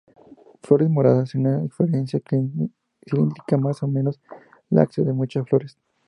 Flores moradas, en una inflorescencia cilíndrica más o menos laxa de muchas flores.